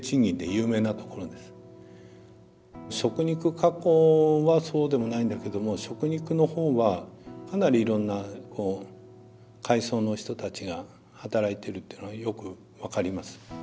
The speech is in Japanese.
食肉加工はそうでもないんだけども食肉のほうはかなりいろんな階層の人たちが働いてるっていうのはよく分かります。